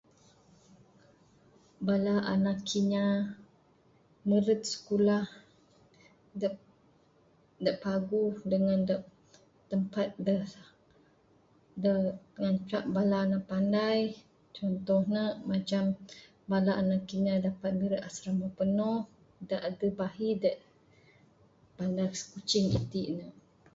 Bala anak inya meret sikulah da...da paguh dangan da tempat da...da ngancak bala ne panai contoh ne macam bala anak inya da panu da asrama penuh da adeh bahi da...bala masu Kuching itin ne.